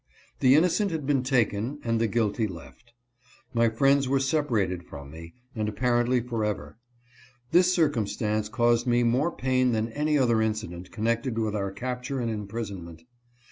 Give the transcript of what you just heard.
The innocent had been taken and the guilty left. My friends were separated from me, and apparently forever. This circumstance caused me more pain than any other incident connected with our capture and imprisonment.